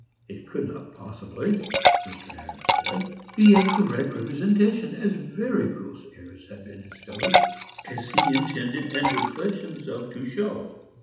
It could not possibly (Mr. Adams said) be a correct representation, as very gross errors had been discovered, as he intended and would pledge himself to show.